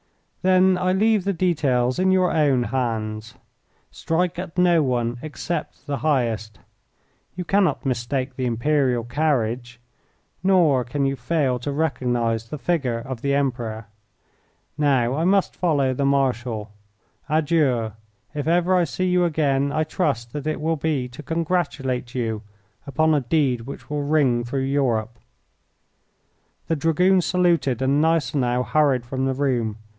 "Then I leave the details in your own hands. Strike at no one except the highest. You cannot mistake the Imperial carriage, nor can you fail to recognise the figure of the Emperor. Now I must follow the Marshal. Adieu! If ever I see you again I trust that it will be to congratulate you upon a deed which will ring through Europe." The Dragoon saluted and Gneisenau hurried from the room.